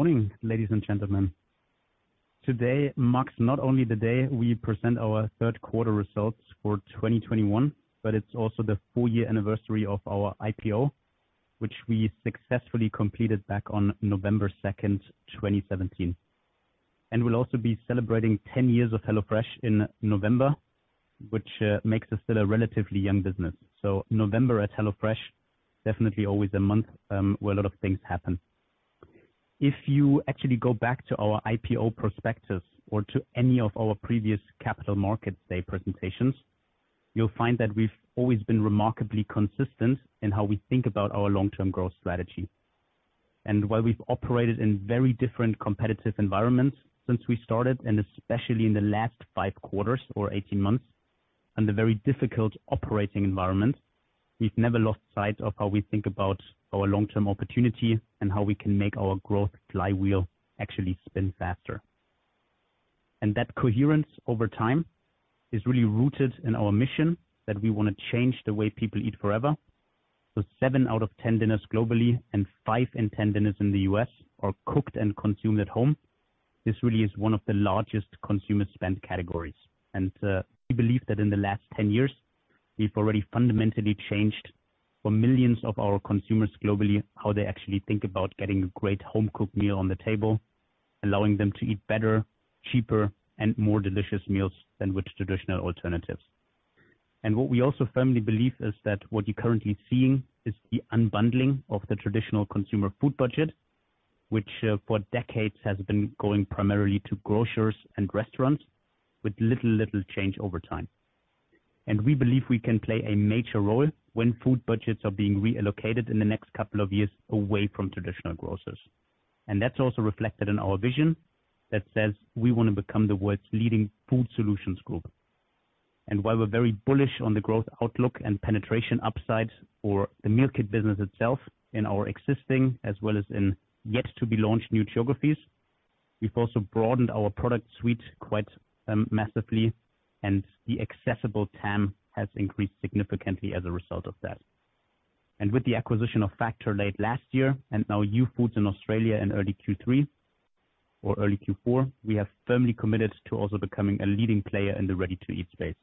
Morning, ladies and gentlemen. Today marks not only the day we present our third quarter results for 2021, but it's also the four-year anniversary of our IPO, which we successfully completed back on November 2nd, 2017. We'll also be celebrating 10 years of HelloFresh in November, which makes us still a relatively young business. November at HelloFresh, definitely always a month where a lot of things happen. If you actually go back to our IPO prospectus or to any of our previous capital markets day presentations, you'll find that we've always been remarkably consistent in how we think about our long-term growth strategy. While we've operated in very different competitive environments since we started, and especially in the last five quarters or 18 months, and a very difficult operating environment, we've never lost sight of how we think about our long-term opportunity and how we can make our growth flywheel actually spin faster. That coherence over time is really rooted in our mission that we wanna change the way people eat forever. Seven out of 10 dinners globally and 5 in 10 dinners in the U.S. are cooked and consumed at home. This really is one of the largest consumer spend categories. We believe that in the last 10 years, we've already fundamentally changed, for millions of our consumers globally, how they actually think about getting a great home-cooked meal on the table, allowing them to eat better, cheaper and more delicious meals than with traditional alternatives. What we also firmly believe is that what you're currently seeing is the unbundling of the traditional consumer food budget, which, for decades has been going primarily to grocers and restaurants with little change over time. We believe we can play a major role when food budgets are being reallocated in the next couple of years away from traditional grocers. That's also reflected in our vision that says we wanna become the world's leading food solutions group. While we're very bullish on the growth outlook and penetration upside for the meal kit business itself in our existing as well as in yet to be launched new geographies, we've also broadened our product suite quite massively, and the accessible TAM has increased significantly as a result of that. With the acquisition of Factor late last year and now Youfoodz in Australia in early Q3 or early Q4, we have firmly committed to also becoming a leading player in the ready-to-eat space.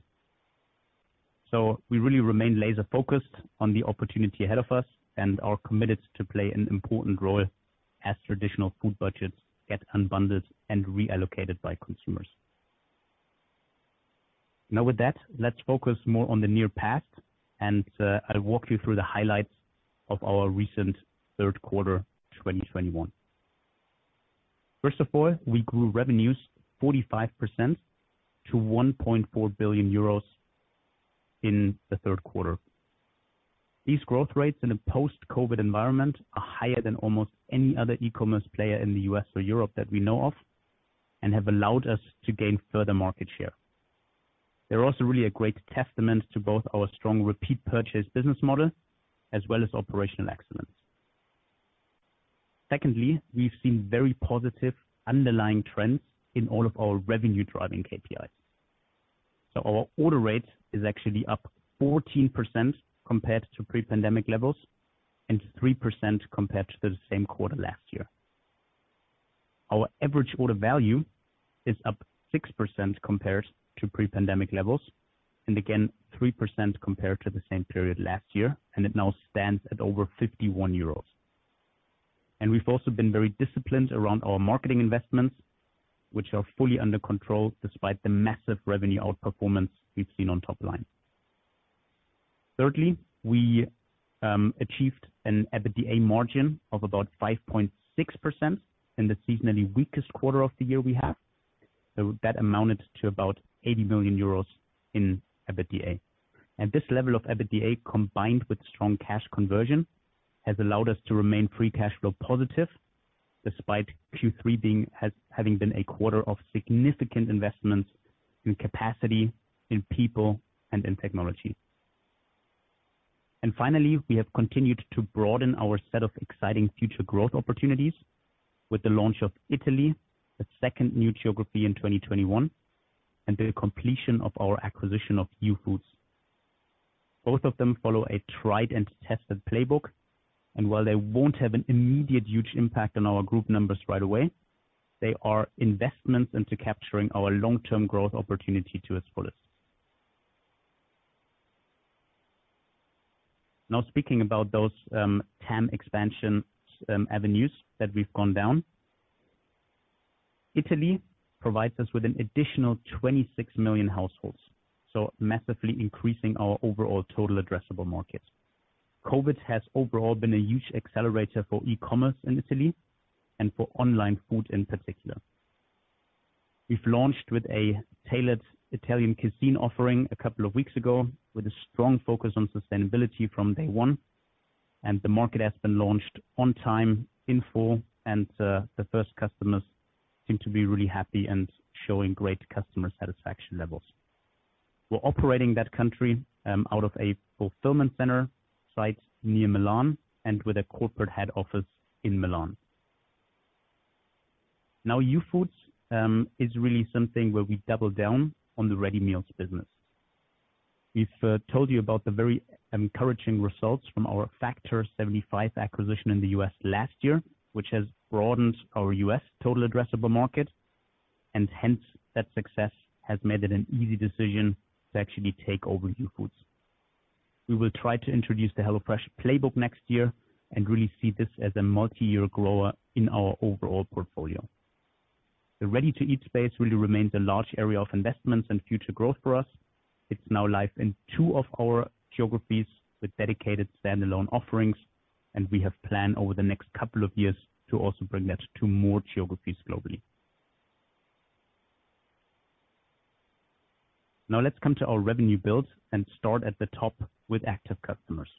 We really remain laser focused on the opportunity ahead of us and are committed to play an important role as traditional food budgets get unbundled and reallocated by consumers. Now with that, let's focus more on the near past and I'll walk you through the highlights of our recent third quarter 2021. First of all, we grew revenues 45% to 1.4 billion euros in the third quarter. These growth rates in a post-COVID environment are higher than almost any other e-commerce player in the U.S. or Europe that we know of and have allowed us to gain further market share. They're also really a great testament to both our strong repeat purchase business model as well as operational excellence. Secondly, we've seen very positive underlying trends in all of our revenue driving KPIs. Our order rate is actually up 14% compared to pre-pandemic levels and 3% compared to the same quarter last year. Our average order value is up 6% compared to pre-pandemic levels, and again 3% compared to the same period last year, and it now stands at over 51 euros. We've also been very disciplined around our marketing investments, which are fully under control despite the massive revenue outperformance we've seen on top line. Thirdly, we achieved an EBITDA margin of about 5.6% in the seasonally weakest quarter of the year we have. That amounted to about 80 million euros in EBITDA. This level of EBITDA, combined with strong cash conversion, has allowed us to remain free cash flow positive despite Q3 having been a 1/4 of significant investments in capacity, in people, and in technology. Finally, we have continued to broaden our set of exciting future growth opportunities with the launch of Italy, the second new geography in 2021, and the completion of our acquisition of Youfoodz. Both of them follow a tried and tested playbook, and while they won't have an immediate huge impact on our group numbers right away, they are investments into capturing our long-term growth opportunity to its fullest. Now speaking about those, TAM expansion, avenues that we've gone down. Italy provides us with an additional 26 million households, so massively increasing our overall total addressable market. COVID has overall been a huge accelerator for e-commerce in Italy and for online food in particular. We've launched with a tailored Italian cuisine offering a couple of weeks ago with a strong focus on sustainability from day one, and the market has been launched on time in full, and the first customers seem to be really happy and showing great customer satisfaction levels. We're operating that country out of a fulfillment center site near Milan and with a corporate head office in Milan. Now Youfoodz is really something where we double down on the ready meals business. We've told you about the very encouraging results from our Factor75 acquisition in the U.S. last year, which has broadened our U.S. total addressable market, and hence that success has made it an easy decision to actually take over Youfoodz. We will try to introduce the HelloFresh playbook next year and really see this as a multi-year grower in our overall portfolio. The ready-to-eat space really remains a large area of investments and future growth for us. It's now live in two of our geographies with dedicated standalone offerings, and we have planned over the next couple of years to also bring that to more geographies globally. Now let's come to our revenue build and start at the top with active customers.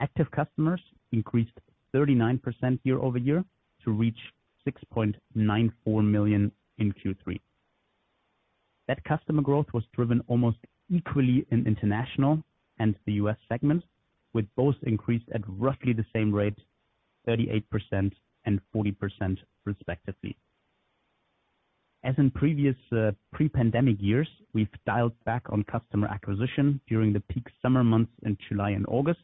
Active customers increased 39% year-over-year to reach 6.94 million in Q3. That customer growth was driven almost equally in International and the U.S. segment, with both increased at roughly the same rate, 38% and 40%, respectively. As in previous pre-pandemic years, we've dialed back on customer acquisition during the peak summer months in July and August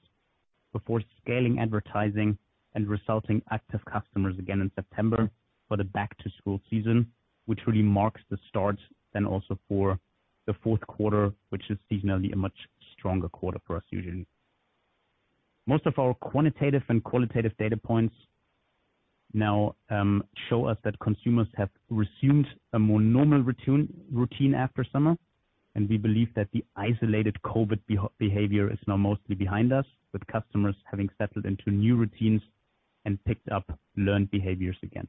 before scaling advertising and resulting active customers again in September for the back-to-school season, which really marks the start then also for the fourth quarter, which is seasonally a much stronger quarter for us usually. Most of our quantitative and qualitative data points now show us that consumers have resumed a more normal routine after summer, and we believe that the isolated COVID behavior is now mostly behind us, with customers having settled into new routines and picked up learned behaviors again.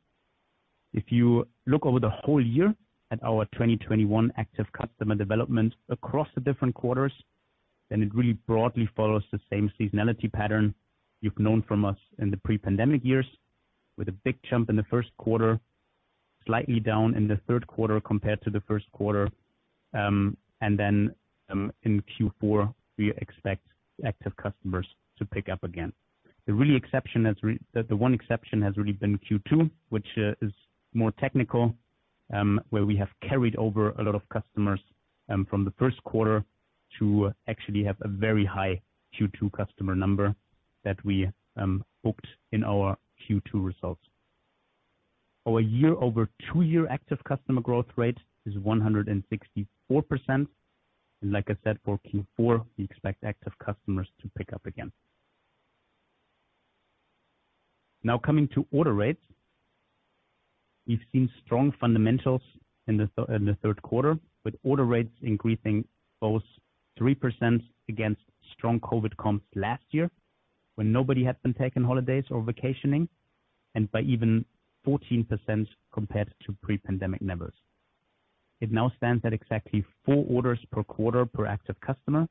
If you look over the whole year at our 2021 active customer development across the different quarters, then it really broadly follows the same seasonality pattern you've known from us in the pre-pandemic years, with a big jump in the first quarter, slightly down in the third quarter compared to the first quarter. In Q4, we expect active customers to pick up again. The one exception has really been Q2, which is more technical, where we have carried over a lot of customers from the first quarter to actually have a very high Q2 customer number that we booked in our Q2 results. Our year over two-year active customer growth rate is 164%. Like I said, for Q4, we expect active customers to pick up again. Now coming to order rates. We've seen strong fundamentals in the third quarter, with order rates increasing both 3% against strong COVID comps last year when nobody had been taking holidays or vacationing, and by even 14% compared to pre-pandemic levels. It now stands at exactly four orders per quarter per active customer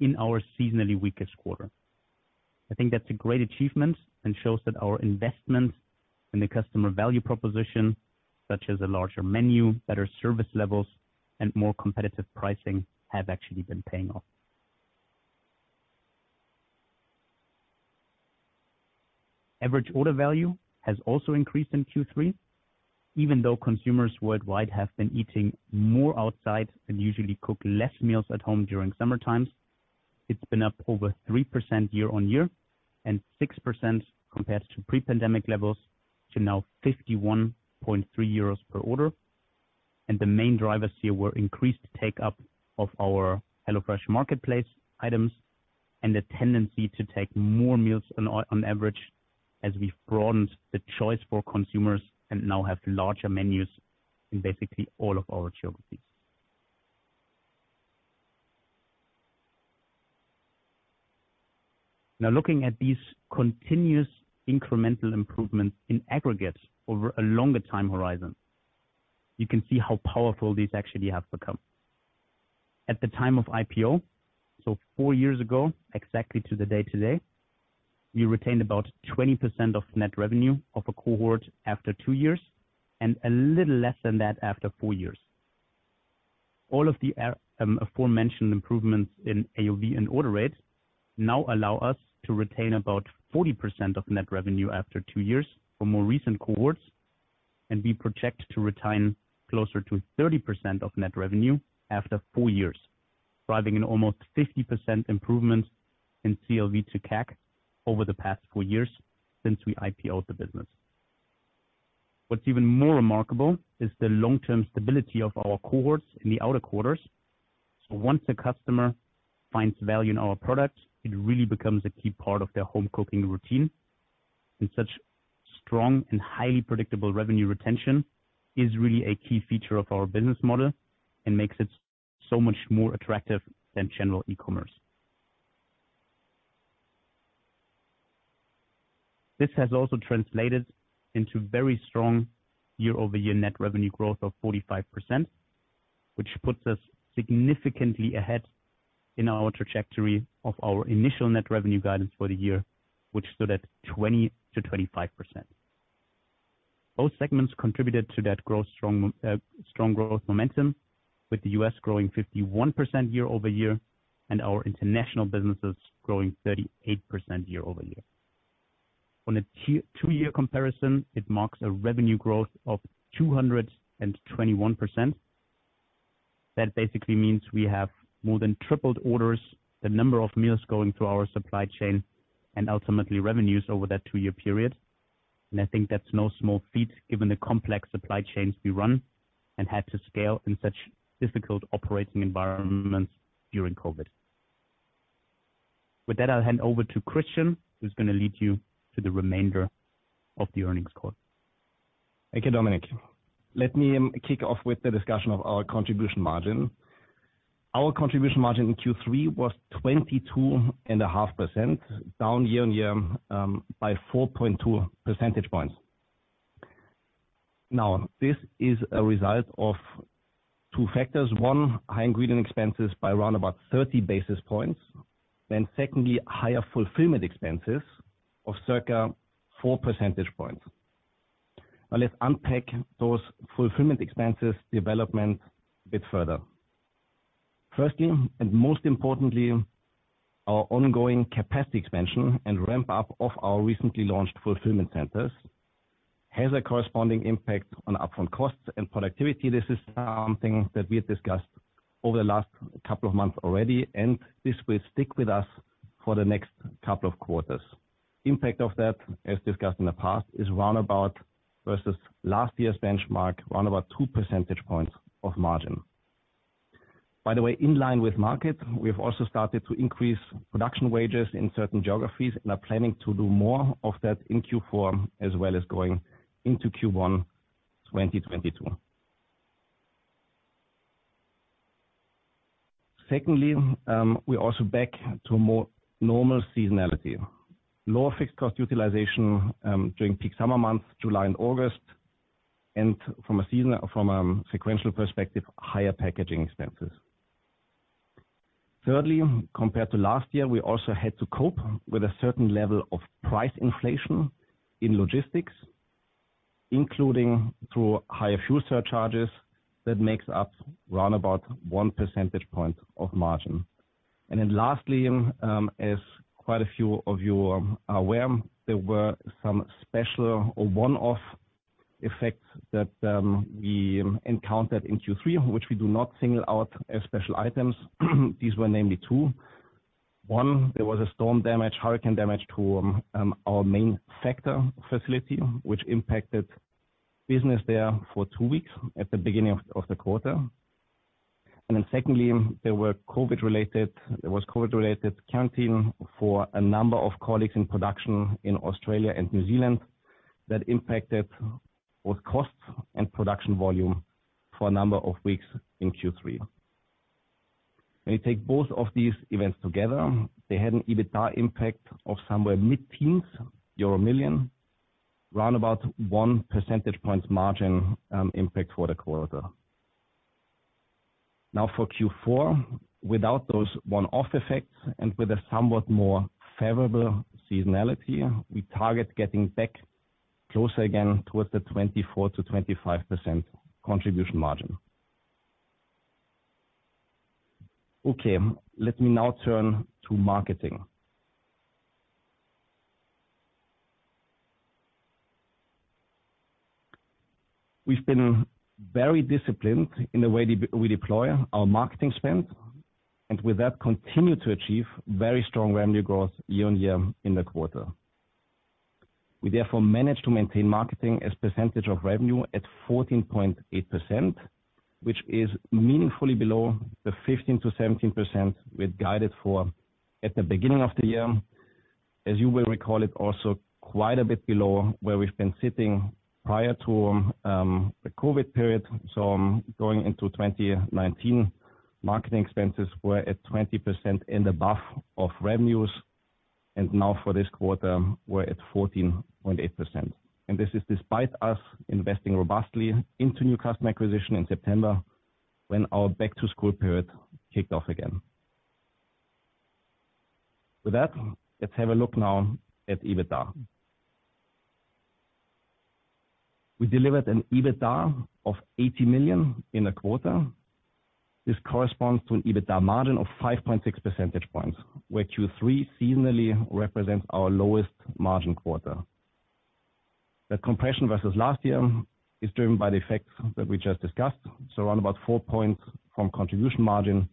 in our seasonally weakest quarter. I think that's a great achievement and shows that our investment in the customer value proposition, such as a larger menu, better service levels, and more competitive pricing, have actually been paying off. Average order value has also increased in Q3, even though consumers worldwide have been eating more outside and usually cook less meals at home during summer times. It's been up over 3% year-on-year and 6% compared to pre-pandemic levels to now 51.3 euros per order. The main drivers here were increased take up of our HelloFresh Market items and the tendency to take more meals on average as we've broadened the choice for consumers and now have larger menus in basically all of our geographies. Now looking at these continuous incremental improvements in aggregate over a longer time horizon, you can see how powerful these actually have become. At the time of IPO, so four years ago, exactly to the day today, we retained about 20% of net revenue of a cohort after two years and a little less than that after four years. All of the aforementioned improvements in AOV and order rates now allow us to retain about 40% of net revenue after two years for more recent cohorts, and we project to retain closer to 30% of net revenue after four years, driving an almost 50% improvement in CLV to CAC over the past four years since we IPOed the business. What's even more remarkable is the long-term stability of our cohorts in the outer quarters. Once a customer finds value in our product, it really becomes a key part of their home cooking routine. Such strong and highly predictable revenue retention is really a key feature of our business model and makes it so much more attractive than general e-commerce. This has also translated into very strong year-over-year net revenue growth of 45%, which puts us significantly ahead in our trajectory of our initial net revenue guidance for the year, which stood at 20%-25%. Both segments contributed to that growth strong growth momentum. With the U.S. growing 51% year-over-year, and our international businesses growing 38% year-over-year. On a two-year comparison, it marks a revenue growth of 221%. That basically means we have more than tripled orders, the number of meals going through our supply chain and ultimately revenues over that two-year period. I think that's no small feat given the complex supply chains we run and had to scale in such difficult operating environments during COVID. With that, I'll hand over to Christian, who's gonna lead you through the remainder of the earnings call. Thank you, Dominik. Let me kick off with the discussion of our contribution margin. Our contribution margin in Q3 was 22.5%, down year-on-year by 4.2 percentage points. This is a result of two factors. One, high ingredient expenses by around about 30 basis points. Secondly, higher fulfillment expenses of circa 4 percentage points. Now let's unpack those fulfillment expenses development a bit further. Firstly, and most importantly, our ongoing capacity expansion and ramp up of our recently launched fulfillment centers has a corresponding impact on upfront costs and productivity. This is something that we have discussed over the last couple of months already, and this will stick with us for the next couple of quarters. Impact of that, as discussed in the past, is round about versus last year's benchmark, round about 2 percentage points of margin. By the way, in line with market, we have also started to increase production wages in certain geographies and are planning to do more of that in Q4 as well as going into Q1 2022. Secondly, we're also back to more normal seasonality, lower fixed cost utilization during peak summer months, July and August, and from a sequential perspective, higher packaging expenses. Thirdly, compared to last year, we also had to cope with a certain level of price inflation in logistics, including through higher fuel surcharges that makes up about 1 percentage point of margin. Lastly, as quite a few of you are aware, there were some special or one-off effects that we encountered in Q3, which we do not single out as special items. These were namely two. One, there was a storm damage, hurricane damage to our main Factor facility, which impacted business there for two weeks at the beginning of the quarter. Then secondly, there was COVID-related quarantining for a number of colleagues in production in Australia and New Zealand that impacted both costs and production volume for a number of weeks in Q3. When you take both of these events together, they had an EBITDA impact of somewhere mid-teens euro million, round about 1 percentage points margin impact for the quarter. Now for Q4, without those one-off effects and with a somewhat more favorable seasonality, we target getting back closer again towards the 24%-25% contribution margin. Okay, let me now turn to marketing. We've been very disciplined in the way we deploy our marketing spend, and with that, continue to achieve very strong revenue growth year-over-year in the quarter. We therefore managed to maintain marketing as percentage of revenue at 14.8%, which is meaningfully below the 15%-17% we had guided for at the beginning of the year. As you will recall, it also quite a bit below where we've been sitting prior to the COVID period. Going into 2019, marketing expenses were at 20% and above of revenues, and now for this quarter, we're at 14.8%. This is despite us investing robustly into new customer acquisition in September when our back-to-school period kicked off again. With that, let's have a look now at EBITDA. We delivered an EBITDA of 80 million in the quarter. This corresponds to an EBITDA margin of 5.6 percentage points, where Q3 seasonally represents our lowest margin quarter. That compression versus last year is driven by the effects that we just discussed, so around about 4 points from contribution margin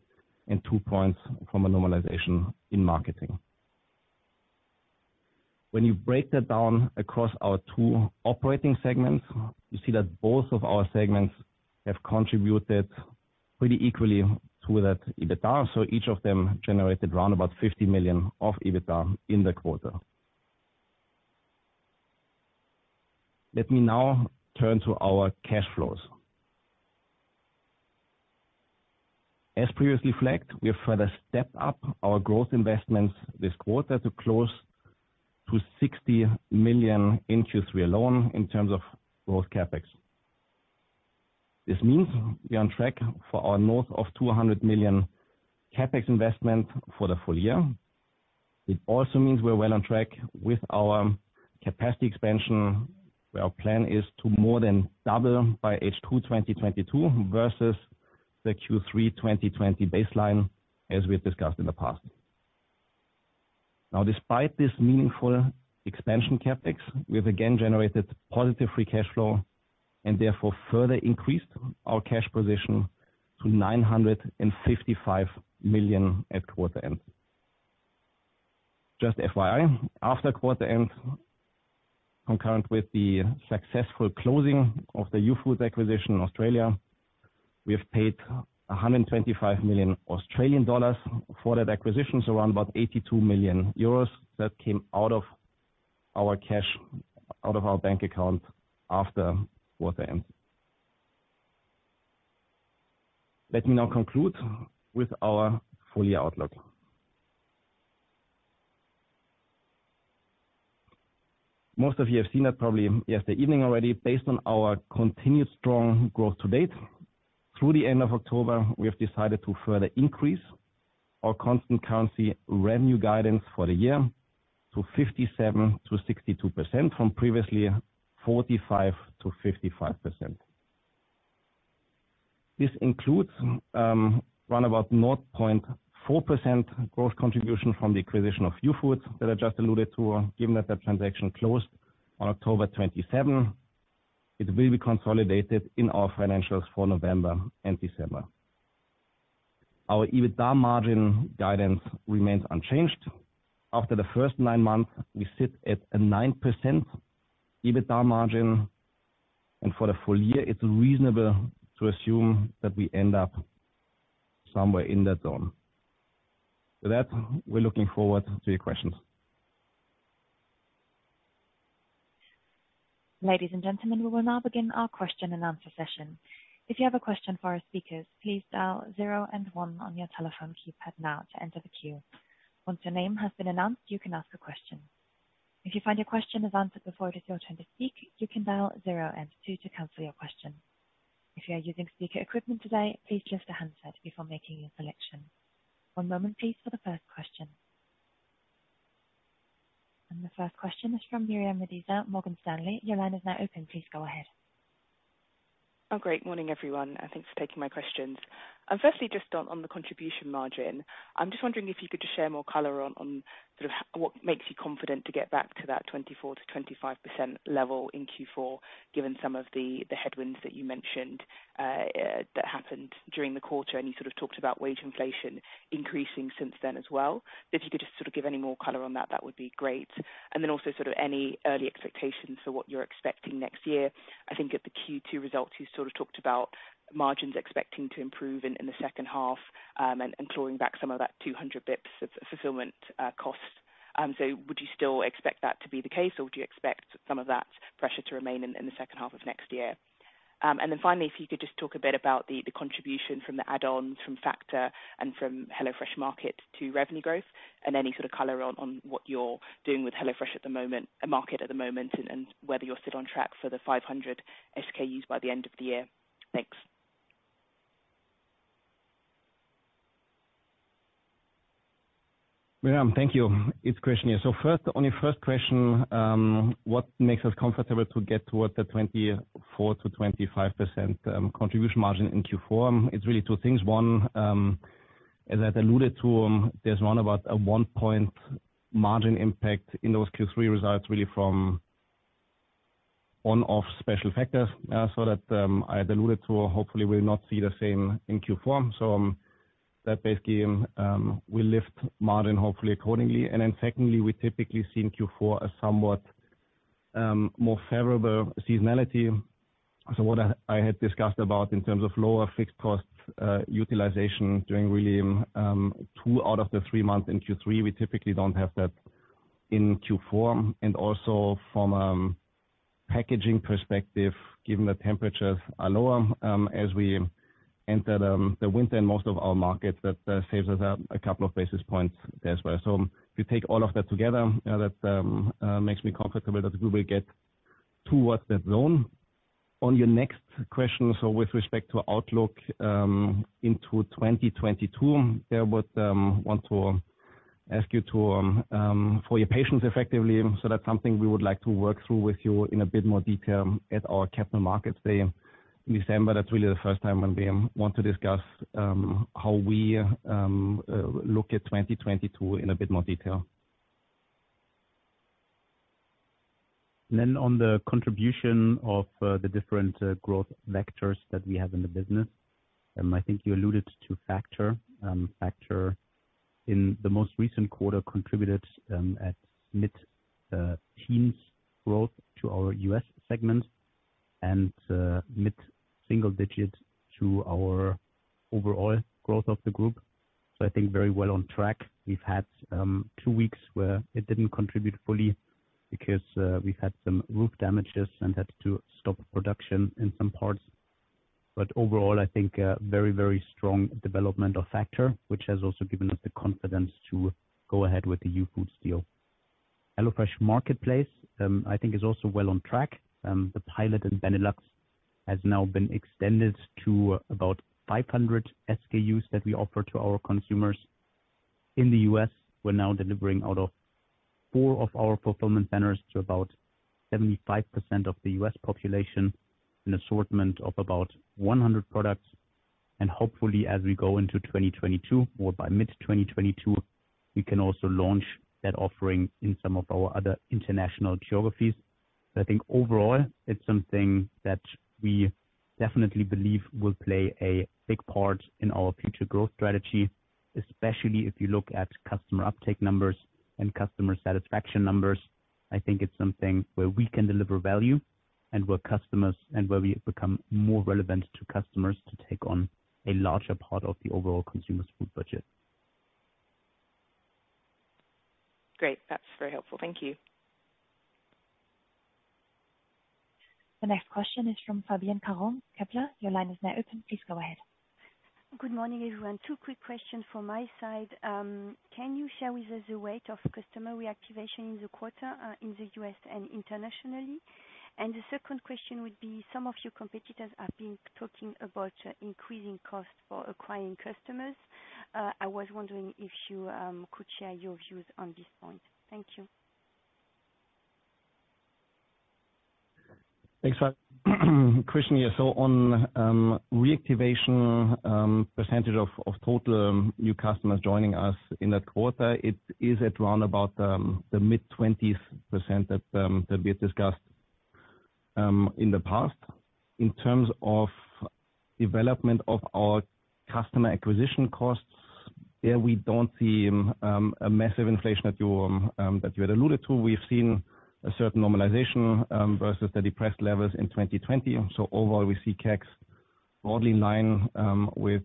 and 2 points from a normalization in marketing. When you break that down across our two operating segments, you see that both of our segments have contributed pretty equally to that EBITDA, so each of them generated around about 50 million of EBITDA in the quarter. Let me now turn to our cash flows. As previously flagged, we have further stepped up our growth investments this quarter to close to 60 million in Q3 alone in terms of growth CapEx. This means we are on track for our north of 200 million CapEx investment for the full year. It also means we're well on track with our capacity expansion, where our plan is to more than double by H2 2022 versus the Q3 2020 baseline, as we have discussed in the past. Now, despite this meaningful expansion CapEx, we have again generated positive free cash flow and therefore further increased our cash position to 955 million at quarter end. Just FYI, after quarter end, concurrent with the successful closing of the Youfoodz acquisition in Australia, we have paid 125 million Australian dollars for that acquisition, so around about 82 million euros that came out of our cash, out of our bank account after quarter end. Let me now conclude with our full year outlook. Most of you have seen that probably yesterday evening already. Based on our continued strong growth to date through the end of October, we have decided to further increase our constant currency revenue guidance for the year to 57%-62% from previously 45%-55%. This includes roundabout 0.4% growth contribution from the acquisition of Youfoodz that I just alluded to. Given that the transaction closed on October 27, it will be consolidated in our financials for November and December. Our EBITDA margin guidance remains unchanged. After the first nine months, we sit at a 9% EBITDA margin, and for the full year it's reasonable to assume that we end up somewhere in that zone. With that, we're looking forward to your questions. Ladies and gentlemen, we will now begin our question and answer session. If you have a question for our speakers, please dial zero and one on your telephone keypad now to enter the queue. Once your name has been announced, you can ask a question. If you find your question is answered before it is your turn to speak, you can dial zero and two to cancel your question. If you are using speaker equipment today, please lift the handset before making your selection. One moment please for the first question. The first question is from Miriam [Sheridan] at Morgan Stanley. Your line is now open. Please go ahead. Oh, great. Morning, everyone, and thanks for taking my questions. Firstly, just on the contribution margin, I'm just wondering if you could just share more color on what makes you confident to get back to that 24%-25% level in Q4, given some of the headwinds that you mentioned that happened during the quarter, and you sort of talked about wage inflation increasing since then as well. If you could just sort of give any more color on that would be great. Also sort of any early expectations for what you're expecting next year. I think at the Q2 results, you sort of talked about margins expecting to improve in the second half, and clawing back some of that 200 basis points of fulfillment costs. Would you still expect that to be the case, or do you expect some of that pressure to remain in the second half of next year? Finally, if you could just talk a bit about the contribution from the add-ons from Factor and from HelloFresh Market to revenue growth and any sort of color on what you're doing with HelloFresh Market at the moment, and whether you're still on track for the 500 SKUs by the end of the year. Thanks. Miriam, thank you. It's Christian here. First, on your first question, what makes us comfortable to get towards the 24%-25% contribution margin in Q4, it's really two things. One, as I'd alluded to, there's around about a 1-point margin impact in those Q3 results really from one-off special factors, so that I had alluded to. Hopefully we'll not see the same in Q4. That basically will lift margin hopefully accordingly. Secondly, we typically see in Q4 a somewhat more favorable seasonality. What I had discussed about in terms of lower fixed costs utilization during really two out of the three months in Q3, we typically don't have that in Q4. Also from packaging perspective, given the temperatures are lower as we enter the winter in most of our markets, that saves us a couple of basis points as well. If you take all of that together, that makes me comfortable that we will get towards that zone. On your next question, with respect to outlook into 2022, we would want to ask you for your patience effectively. That's something we would like to work through with you in a bit more detail at our Capital Markets Day in December. That's really the first time when we want to discuss how we look at 2022 in a bit more detail. On the contribution of the different growth vectors that we have in the business, I think you alluded to Factor. Factor in the most recent quarter contributed at mid-teens growth to our U.S. segment and mid-single-digit to our overall growth of the group. I think very well on track. We've had two weeks where it didn't contribute fully because we've had some roof damages and had to stop production in some parts. Overall, I think a very, very strong development of Factor, which has also given us the confidence to go ahead with the Youfoodz deal. HelloFresh marketplace, I think is also well on track. The pilot in Benelux has now been extended to about 500 SKUs that we offer to our consumers. In the U.S., we're now delivering out of four of our fulfillment centers to about 75% of the U.S. population, an assortment of about 100 products. Hopefully as we go into 2022 or by mid-2022, we can also launch that offering in some of our other international geographies. I think overall it's something that we definitely believe will play a big part in our future growth strategy, especially if you look at customer uptake numbers and customer satisfaction numbers. I think it's something where we can deliver value and where we become more relevant to customers to take on a larger part of the overall consumer's food budget. Great. That's very helpful. Thank you. The next question is from Fabienne Caron, Kepler. Your line is now open. Please go ahead. Good morning, everyone. Two quick questions from my side. Can you share with us the weight of customer reactivation in the quarter, in the U.S. and internationally? The second question would be, some of your competitors have been talking about increasing costs for acquiring customers. I was wondering if you could share your views on this point. Thank you. Thanks, Fabienne. Christian here. On reactivation percentage of total new customers joining us in that quarter, it is at around about the mid-20% that we had discussed in the past. In terms of development of our customer acquisition costs, there we don't see a massive inflation that you had alluded to. We've seen a certain normalization versus the depressed levels in 2020. Overall, we see CACs broadly in line with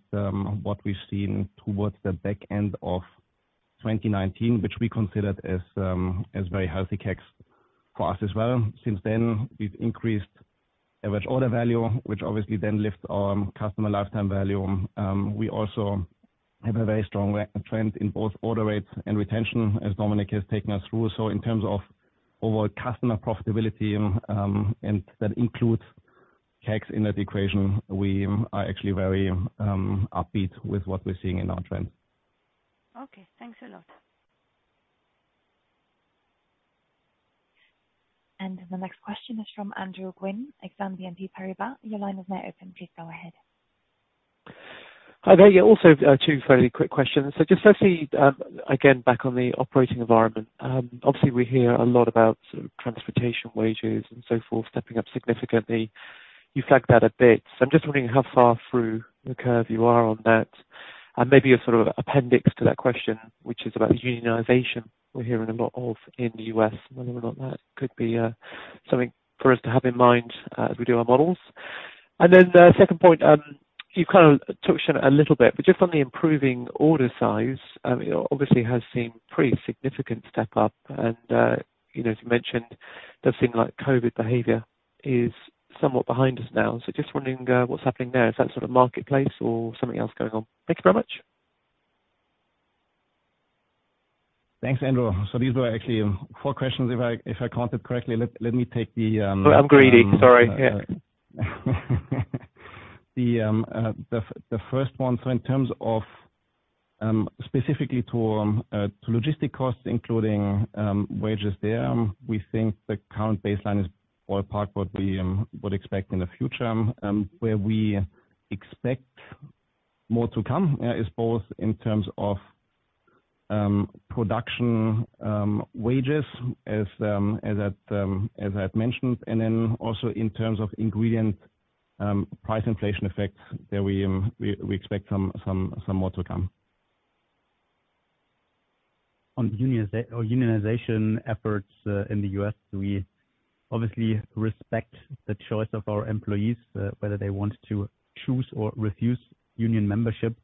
what we've seen towards the back end of 2019, which we considered as very healthy CACs for us as well. Since then, we've increased average order value, which obviously then lifts our customer lifetime value. We also have a very strong re-trend in both order rates and retention as Dominik has taken us through. In terms of overall customer profitability, and that includes CACs in that equation, we are actually very upbeat with what we're seeing in our trends. Okay, thanks a lot. The next question is from Andrew Gwynn, Exane BNP Paribas. Your line is now open. Please go ahead. Hi there. Yeah, also, two fairly quick questions. Just firstly, again, back on the operating environment. Obviously we hear a lot about sort of transportation wages and so forth stepping up significantly. You flagged that a bit. I'm just wondering how far through the curve you are on that. Maybe a sort of appendix to that question, which is about unionization we're hearing a lot of in the U.S., whether or not that could be something for us to have in mind as we do our models. Then the second point, you've kind of touched on it a little bit, but just on the improving order size, it obviously has seen pretty significant step up. You know, as you mentioned, things like COVID behavior is somewhat behind us now. Just wondering, what's happening there. Is that sort of marketplace or something else going on? Thank you very much. Thanks, Andrew. These were actually four questions if I counted correctly. Let me take the I'm greedy. Sorry. Yeah. The first one. In terms of specifically to logistics costs, including wages there, we think the current baseline is on par with what we would expect in the future. Where we expect more to come is both in terms of production wages as I had mentioned, and then also in terms of ingredient price inflation effects that we expect some more to come. On unionization efforts in the U.S., we obviously respect the choice of our employees whether they want to choose or refuse union membership.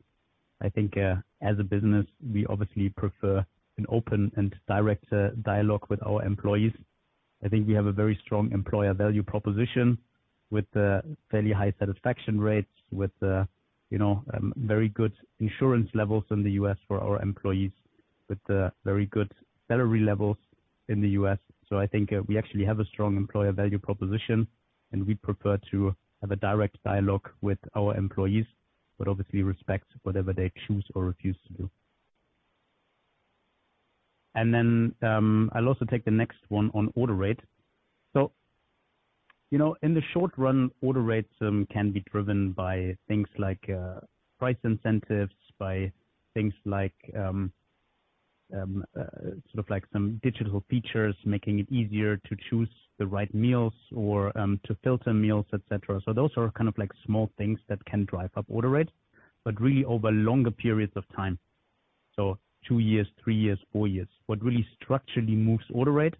I think as a business we obviously prefer an open and direct dialogue with our employees. I think we have a very strong employer value proposition with fairly high satisfaction rates with you know very good insurance levels in the U.S. for our employees with very good salary levels in the U.S. I think we actually have a strong employer value proposition and we prefer to have a direct dialogue with our employees but obviously respect whatever they choose or refuse to do. I'll also take the next one on order rate. You know, in the short run, order rates can be driven by things like price incentives, by things like sort of like some digital features, making it easier to choose the right meals or to filter meals, et cetera. Those are kind of like small things that can drive up order rates, but really over longer periods of time. Two years, three years, four years. What really structurally moves order rate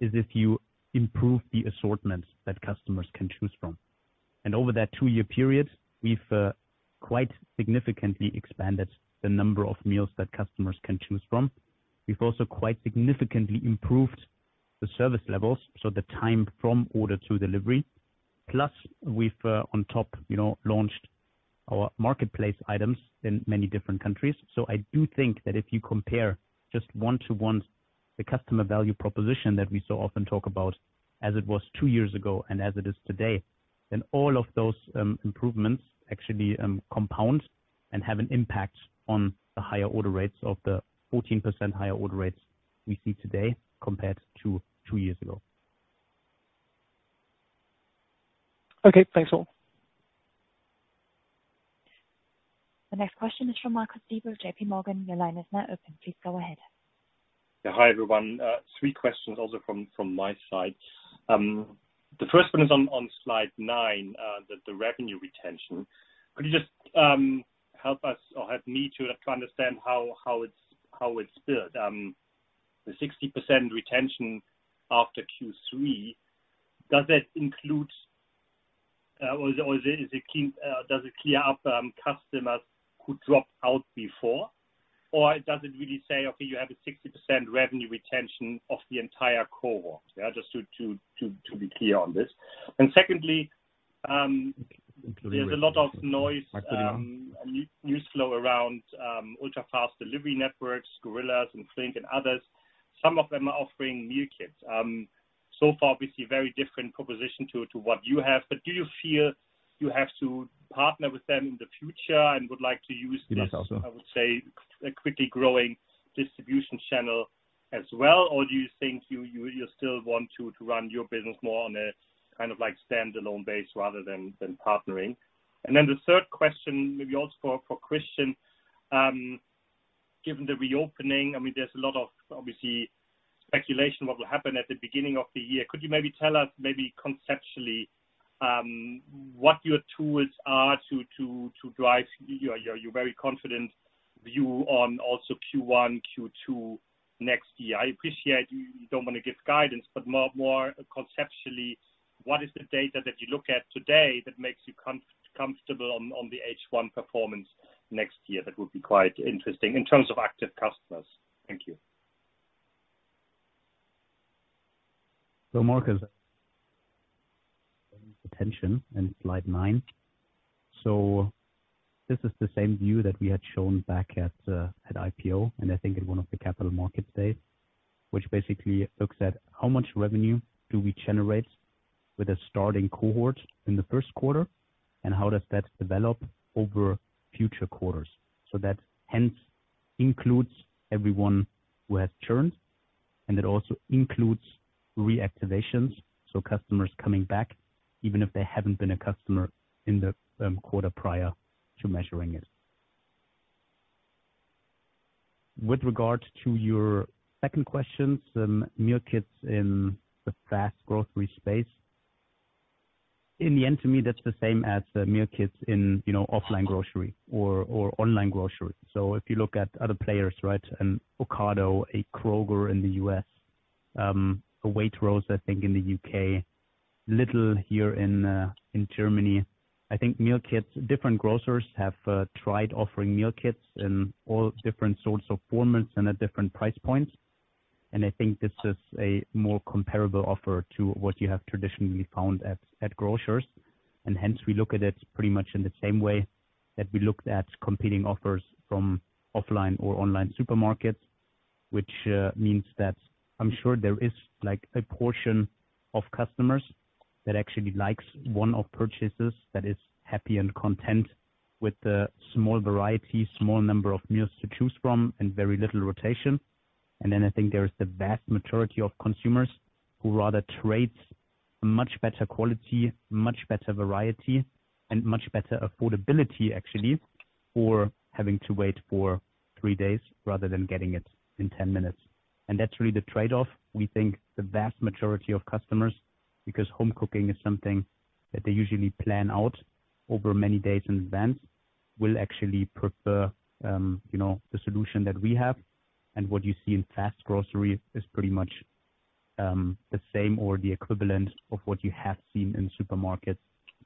is if you improve the assortments that customers can choose from. Over that two-year period, we've quite significantly expanded the number of meals that customers can choose from. We've also quite significantly improved the service levels, so the time from order to delivery. Plus we've, on top, you know, launched our marketplace items in many different countries. I do think that if you compare just one to one, the customer value proposition that we so often talk about as it was two years ago and as it is today, then all of those improvements actually compound and have an impact on the higher order rates of the 14% higher order rates we see today compared to two years ago. Okay, thanks all. The next question is from Marcus Diebel of JPMorgan. Your line is now open. Please go ahead. Hi, everyone. Three questions also from my side. The first one is on Slide 9, the revenue retention. Could you just help me to understand how it's built? The 60% retention after Q3, does that include or is it, does it clear up customers who dropped out before? Or does it really say, okay, you have a 60% revenue retention of the entire cohort? Just to be clear on this. Secondly, there's a lot of noise, news flow around ultra-fast delivery networks, Gorillas and Flink and others. Some of them are offering new kits. So far we see very different proposition to what you have. Do you feel you have to partner with them in the future and would like to use this, I would say, a quickly growing distribution channel as well? Or do you think you still want to run your business more on a kind of like standalone base rather than partnering? The third question, maybe also for Christian. Given the reopening, I mean, there's a lot of obviously speculation what will happen at the beginning of the year. Could you maybe tell us maybe conceptually what your tools are to drive your very confident view on also Q1, Q2 next year? I appreciate you don't want to give guidance, but more conceptually, what is the data that you look at today that makes you comfortable on the H1 performance next year? That would be quite interesting in terms of active customers. Thank you. Marcus, attention in slide nine. This is the same view that we had shown back at IPO, and I think in one of the capital markets days, which basically looks at how much revenue do we generate with a starting cohort in the first quarter, and how does that develop over future quarters. That hence includes everyone who has churned, and it also includes reactivations, so customers coming back, even if they haven't been a customer in the quarter prior to measuring it. With regard to your second question, some meal kits in the fast grocery space. In the end, to me, that's the same as the meal kits in, you know, offline grocery or online grocery. If you look at other players, right, an Ocado, a Kroger in the U.S., a Waitrose, I think in the U.K., Lidl here in Germany. I think meal kits, different grocers have tried offering meal kits in all different sorts of formats and at different price points. I think this is a more comparable offer to what you have traditionally found at grocers. Hence we look at it pretty much in the same way that we looked at competing offers from offline or online supermarkets, which means that I'm sure there is like a portion of customers that actually likes one-off purchases that is happy and content with the small variety, small number of meals to choose from and very little rotation. I think there is the vast majority of consumers who rather trade much better quality, much better variety and much better affordability actually, for having to wait for three days rather than getting it in 10 minutes. That's really the trade-off. We think the vast majority of customers, because home cooking is something that they usually plan out over many days in advance, will actually prefer, you know, the solution that we have. What you see in fast grocery is pretty much, the same or the equivalent of what you have seen in supermarkets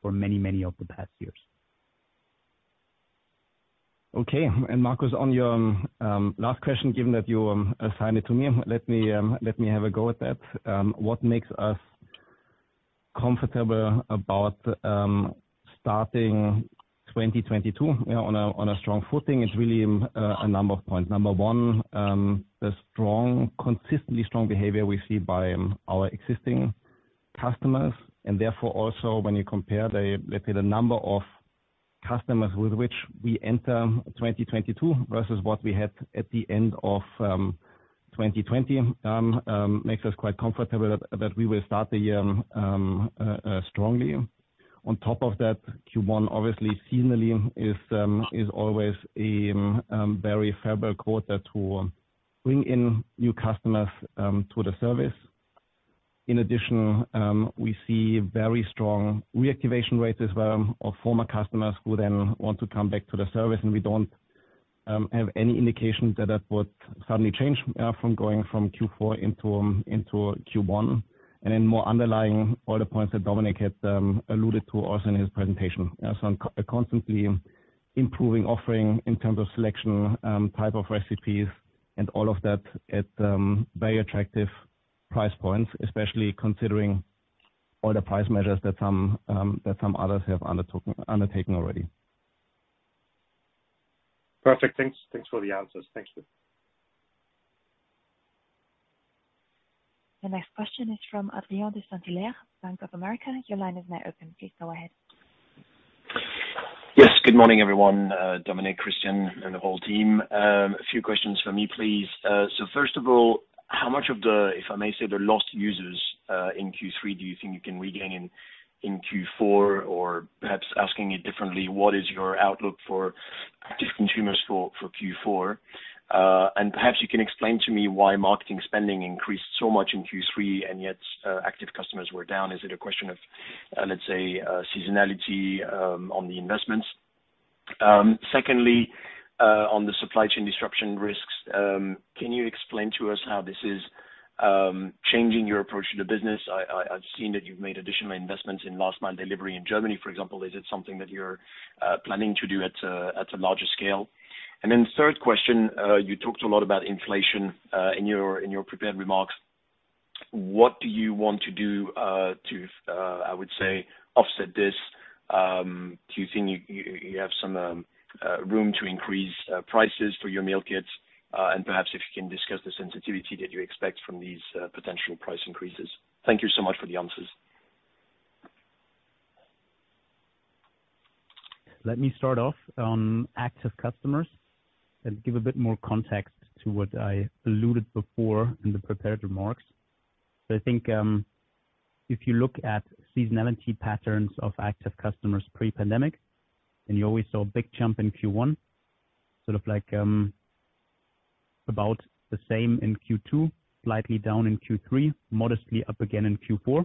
for many, many of the past years. Okay. Marcus, on your last question, given that you assigned it to me, let me have a go at that. What makes us comfortable about starting 2022, you know, on a strong footing is really a number of points. Number one, the consistently strong behavior we see by our existing customers. Therefore also when you compare the, let's say, the number of customers with which we enter 2022 versus what we had at the end of 2020 makes us quite comfortable that we will start the year strongly. On top of that, Q1 obviously seasonally is always a very favorable quarter to bring in new customers to the service. In addition, we see very strong reactivation rates as well of former customers who then want to come back to the service. We don't have any indications that would suddenly change from going from Q4 into Q1. More underlying all the points that Dominik had alluded to also in his presentation. I'm constantly improving offering in terms of selection type of recipes and all of that at very attractive price points, especially considering The price measures that some others have undertaken already. Perfect. Thanks. Thanks for the answers. Thanks. The next question is from Adrien de Saint Hilaire, Bank of America. Your line is now open. Please go ahead. Yes. Good morning, everyone, Dominik, Christian, and the whole team. A few questions for me, please. First of all, how much of the, if I may say, the lost users in Q3 do you think you can regain in Q4? Or perhaps asking it differently, what is your outlook for active consumers for Q4? And perhaps you can explain to me why marketing spending increased so much in Q3 and yet active customers were down. Is it a question of, let's say, seasonality on the investments? Secondly, on the supply chain disruption risks, can you explain to us how this is changing your approach to the business? I've seen that you've made additional investments in last mile delivery in Germany, for example. Is it something that you're planning to do at a larger scale? Third question, you talked a lot about inflation in your prepared remarks. What do you want to do to offset this, I would say? Do you think you have some room to increase prices for your meal kits? Perhaps if you can discuss the sensitivity that you expect from these potential price increases. Thank you so much for the answers. Let me start off on active customers and give a bit more context to what I alluded before in the prepared remarks. I think, if you look at seasonality patterns of active customers pre-pandemic, and you always saw a big jump in Q1, sort of like, about the same in Q2, slightly down in Q3, modestly up again in Q4,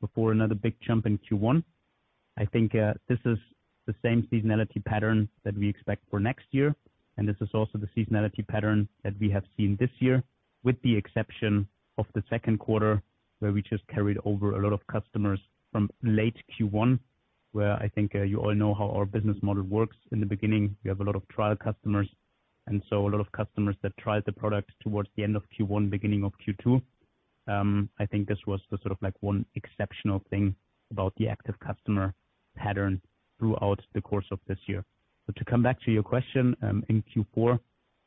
before another big jump in Q1. I think, this is the same seasonality pattern that we expect for next year, and this is also the seasonality pattern that we have seen this year, with the exception of the second quarter, where we just carried over a lot of customers from late Q1. Where I think, you all know how our business model works. In the beginning, we have a lot of trial customers, and so a lot of customers that tried the product towards the end of Q1, beginning of Q2. I think this was the sort of like one exceptional thing about the active customer pattern throughout the course of this year. To come back to your question, in Q4,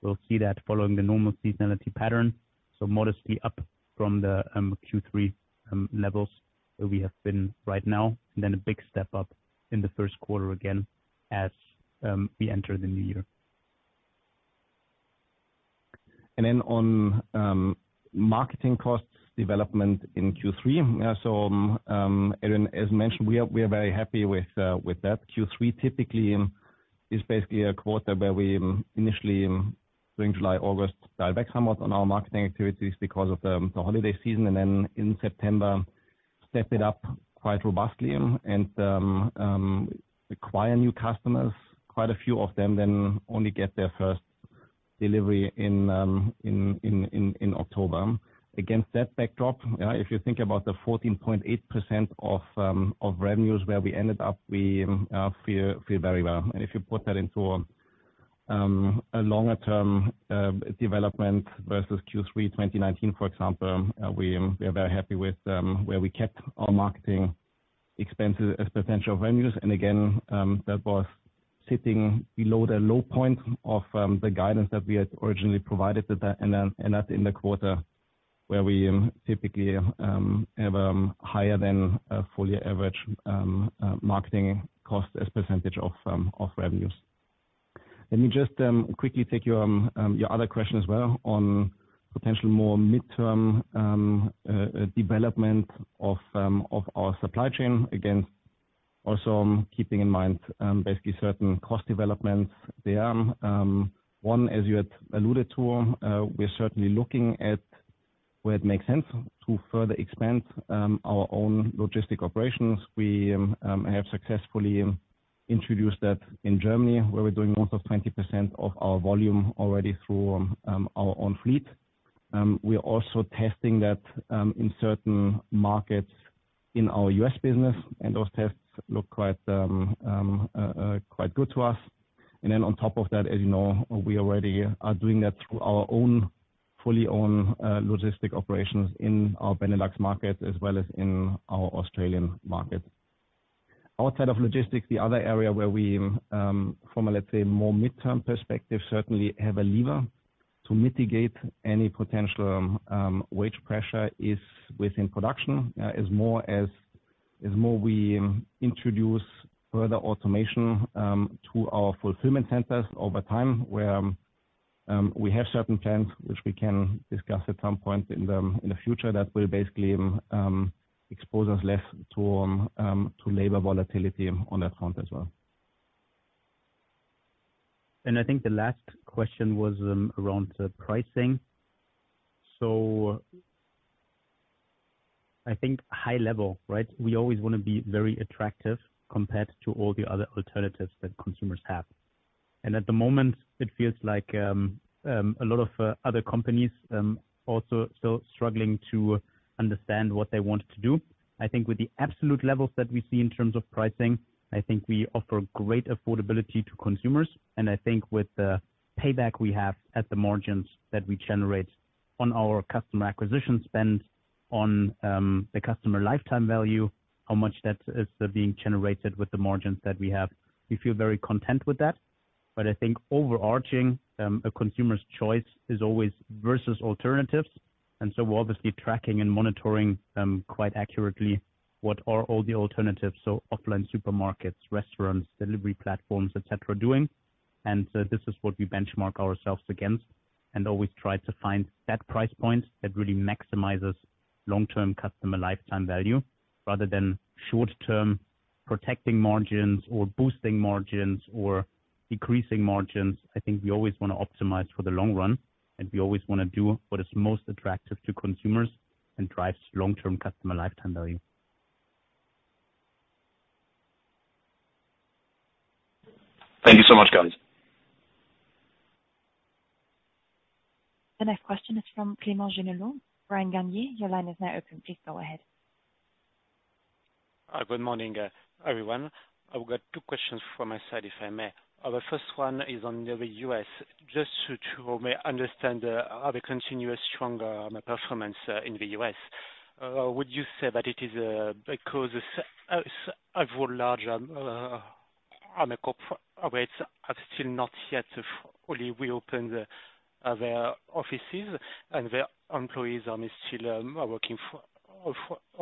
we'll see that following the normal seasonality pattern, so modestly up from the Q3 levels where we have been right now, and then a big step up in the first quarter again as we enter the New Year. On marketing costs development in Q3. So, as mentioned, we are very happy with that. Q3 typically is basically a 1/4 where we initially during July, August, dial back somewhat on our marketing activities because of the holiday season and then in September, step it up quite robustly and acquire new customers. Quite a few of them then only get their first delivery in October. Against that backdrop, if you think about the 14.8% of revenues where we ended up, we feel very well. If you put that into a longer term development versus Q3 2019, for example, we are very happy with where we kept our marketing expenses as a percentage of revenues. Again, that was sitting below the low point of the guidance that we had originally provided, that in the quarter where we typically have higher than full-year average marketing costs as percentage of revenues. Let me just quickly take your other question as well on potential more mid-term development of our supply chain. Again, also keeping in mind basically certain cost developments. There are one, as you had alluded to, we're certainly looking at where it makes sense to further expand our own logistics operations. We have successfully introduced that in Germany, where we're doing almost 20% of our volume already through our own fleet. We are also testing that in certain markets in our U.S. business, and those tests look quite good to us. On top of that, as you know, we already are doing that through our own fully owned logistic operations in our Benelux markets, as well as in our Australian markets. Outside of logistics, the other area where we, from a, let's say, more midterm perspective, certainly have a lever to mitigate any potential wage pressure is within production. As more we introduce further automation to our fulfillment centers over time, where we have certain plans which we can discuss at some point in the future that will basically expose us less to labor volatility on that front as well. I think the last question was around the pricing. I think high level, right? We always wanna be very attractive compared to all the other alternatives that consumers have. At the moment it feels like a lot of other companies also still struggling to understand what they want to do. I think with the absolute levels that we see in terms of pricing, I think we offer great affordability to consumers. I think with the payback we have at the margins that we generate on our customer acquisition spend on the customer lifetime value, how much that is being generated with the margins that we have. We feel very content with that. I think overarching, a consumer's choice is always versus alternatives. We're obviously tracking and monitoring quite accurately what are all the alternatives, so offline supermarkets, restaurants, delivery platforms, et cetera, doing. This is what we benchmark ourselves against and always try to find that price point that really maximizes long-term customer lifetime value rather than short-term protecting margins or boosting margins or decreasing margins. I think we always want to optimize for the long run, and we always want to do what is most attractive to consumers and drives long-term customer lifetime value. Thank you so much, guys. The next question is from Clément Genelot, Bryan, Garnier. Your line is now open. Please go ahead. Good morning, everyone. I've got two questions from my side, if I may. The first one is on the U.S. Just to make sure I understand how we continue to see a stronger performance in the U.S. Would you say that it is because overall larger corporates are still not yet fully reopened, their offices and their employees are still working from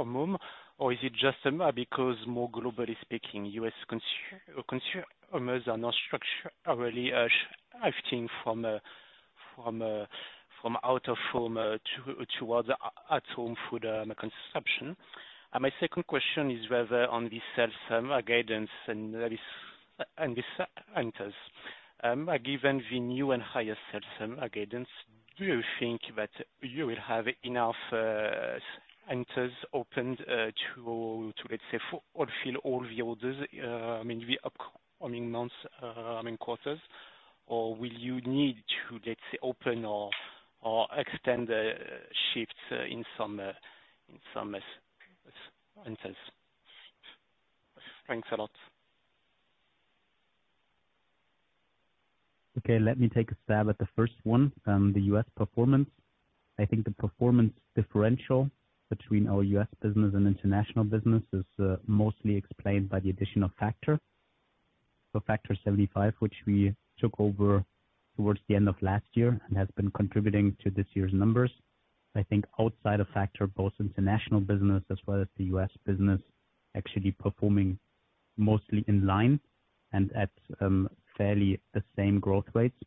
home? Or is it just because more globally speaking, U.S. consumers are now starting to really shift from out of home to towards at-home food consumption? My second question is whether on the top line guidance and these centers. Given the new and higher top line guidance, do you think that you will have enough centers opened to, let's say, fulfill all the orders, maybe upcoming months, I mean, quarters? Or will you need to, let's say, open or extend shifts in some centers? Thanks a lot. Okay. Let me take a stab at the first one, the U.S. performance. I think the performance differential between our U.S. business and international business is mostly explained by the additional factor. Factor75, which we took over towards the end of last year and has been contributing to this year's numbers. I think outside of Factor75, both international business as well as the U.S. business actually performing mostly in line and at fairly the same growth rates.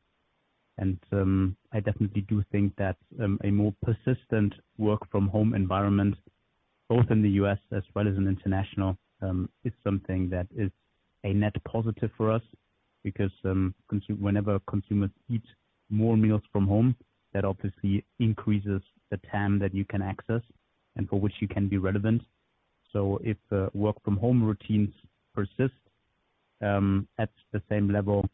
I definitely do think that a more persistent work from home environment, both in the U.S. as well as in international, is something that is a net positive for us because whenever consumers eat more meals from home, that obviously increases the TAM that you can access and for which you can be relevant. If work from home routines persist at the same level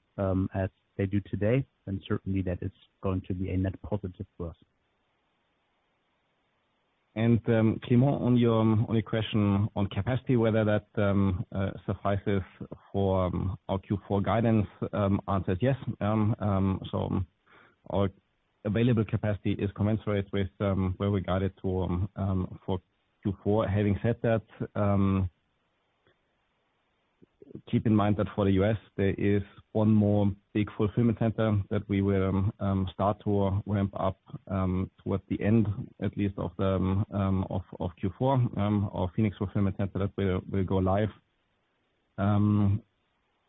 as they do today, then certainly that is going to be a net positive for us. Clément, on your question on capacity, whether that suffices for our Q4 guidance, answer is yes. Our available capacity is commensurate with where we guide it to for Q4. Having said that, keep in mind that for the U.S., there is one more big fulfillment center that we will start to ramp up towards the end, at least of Q4, our Phoenix fulfillment center that will go live.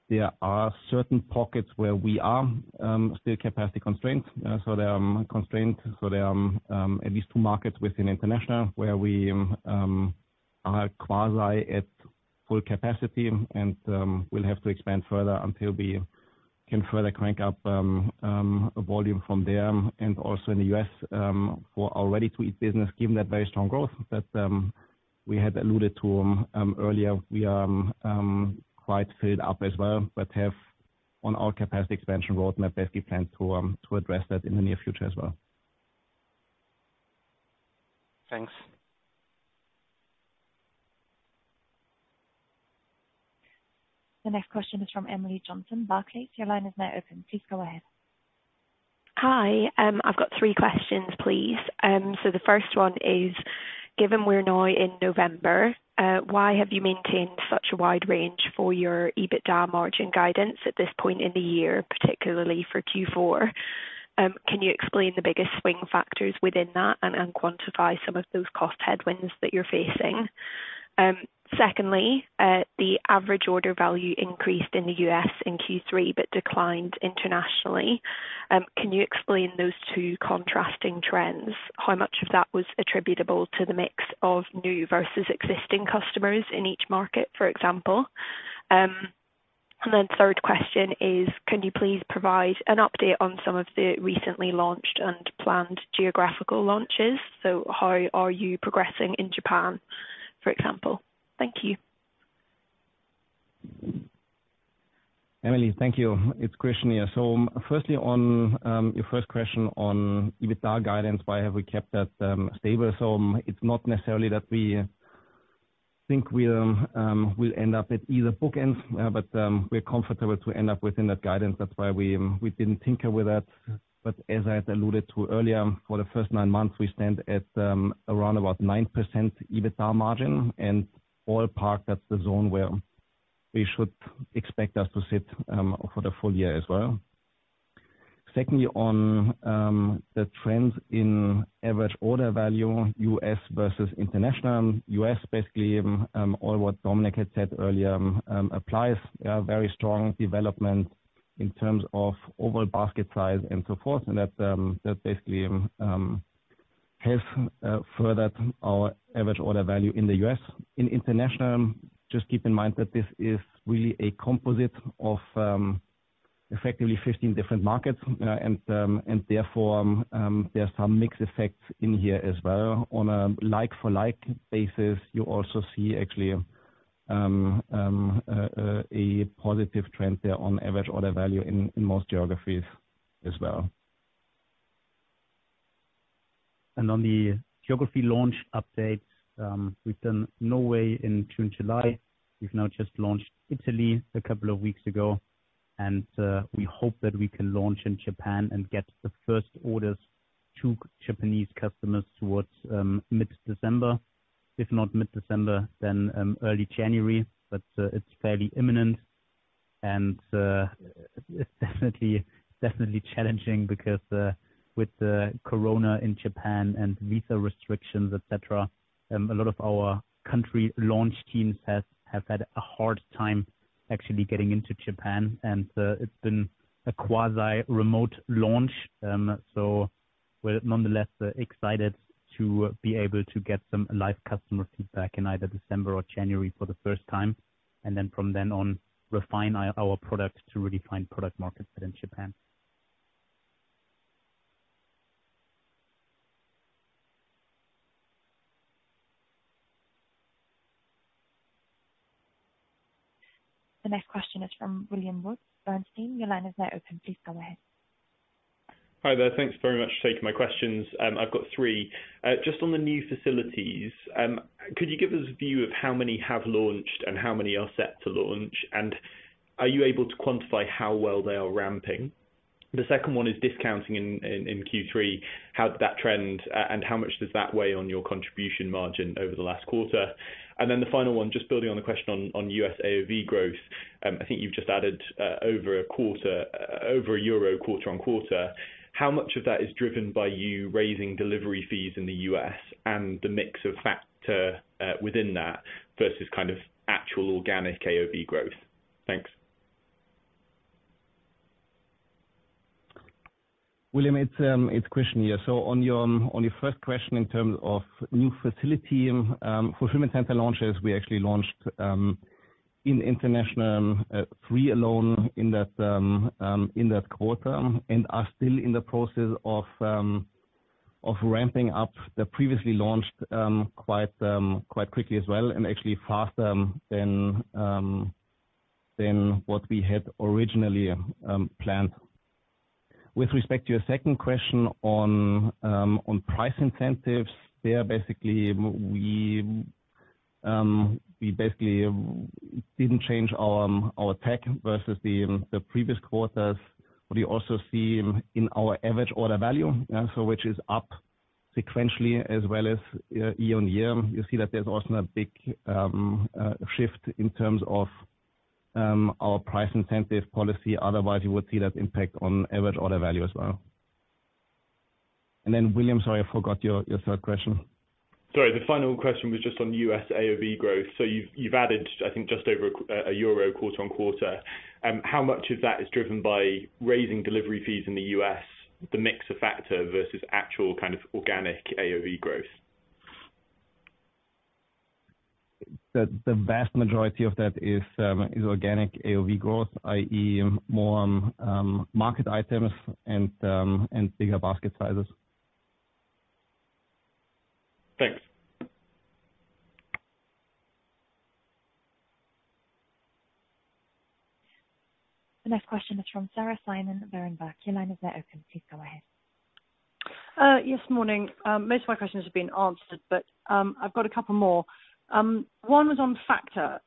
There are certain pockets where we are still capacity constrained. There are constraints, at least two markets within international where we are quasi at full capacity and we'll have to expand further until we can further crank up volume from there. Also in the U.S., for our Ready-to-Eat business, given that very strong growth that we had alluded to earlier, we are quite filled up as well, but we have on our capacity expansion roadmap basically plan to address that in the near future as well. Thanks. The next question is from Emily Johnson, Barclays. Your line is now open. Please go ahead. Hi. I've got three questions, please. The first one is, given we're now in November, why have you maintained such a wide range for your EBITDA margin guidance at this point in the year, particularly for Q4? Can you explain the biggest swing factors within that and quantify some of those cost headwinds that you're facing? Secondly, the average order value increased in the U.S. in Q3 but declined internationally. Can you explain those two contrasting trends? How much of that was attributable to the mix of new versus existing customers in each market, for example? Third question is, can you please provide an update on some of the recently launched and planned geographical launches? How are you progressing in Japan, for example? Thank you. Emily, thank you. It's Christian here. Firstly on your first question on EBITDA guidance, why have we kept that stable? It's not necessarily that we think we will end up at either bookends, but we're comfortable to end up within that guidance. That's why we didn't tinker with that. As I had alluded to earlier, for the first nine months we stand at around 9% EBITDA margin and all told, that's the zone where we should expect to sit for the full year as well. Secondly, on the trends in average order value, U.S. versus international. U.S. basically, all that Dominik had said earlier applies, a very strong development in terms of overall basket size and so forth, and that basically helps further our average order value in the U.S. In international, just keep in mind that this is really a composite of effectively 15 different markets, and therefore there are some mixed effects in here as well. On a like-for-like basis, you also see actually a positive trend there on average order value in most geographies as well. On the geography launch updates, we've done Norway in June, July. We've now just launched Italy a couple of weeks ago, and we hope that we can launch in Japan and get the first orders to Japanese customers towards mid-December. If not mid-December, then early January. It's fairly imminent and it's definitely challenging because with the corona in Japan and visa restrictions, et cetera, a lot of our country launch teams have had a hard time actually getting into Japan. It's been a quasi-remote launch. We're nonetheless excited to be able to get some live customer feedback in either December or January for the first time. From then on refine our product to really find product market fit in Japan. The next question is from William Woods, Bernstein. Your line is now open. Please go ahead. Hi there. Thanks very much for taking my questions. I've got three. Just on the new facilities, could you give us a view of how many have launched and how many are set to launch? Are you able to quantify how well they are ramping? The second one is discounting in Q3. How did that trend, and how much does that weigh on your contribution margin over the last quarter? The final one, just building on the question on U.S. AOV growth. I think you've just added over a quarter over a euro quarter-on-quarter. How much of that is driven by you raising delivery fees in the U.S. and the mix of Factor within that versus kind of actual organic AOV growth? Thanks. William, it's Christian here. On your first question in terms of new facility fulfillment center launches, we actually launched in international three alone in that quarter and are still in the process of ramping up the previously launched quite quickly as well, and actually faster than what we had originally planned. With respect to your second question on price incentives, there basically we basically didn't change our tactic versus the previous quarters. We also see in our average order value, so which is up sequentially as well as year-on-year. You see that there's also a big shift in terms of our price incentive policy. Otherwise, you would see that impact on average order value as well. Then William, sorry, I forgot your third question. Sorry. The final question was just on U.S. AOV growth. You've added, I think, just over a euro quarter-on-quarter. How much of that is driven by raising delivery fees in the U.S., the mix factor versus actual kind of organic AOV growth? The vast majority of that is organic AOV growth, i.e. more market items and bigger basket sizes. Thanks. The next question is from Sarah Simon, Berenberg. Your line is now open. Please go ahead. Yes, morning. Most of my questions have been answered, but I've got a couple more. One was on Factor.